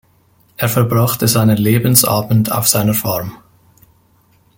Er verbrachte seinen Lebensabend auf seiner Farm.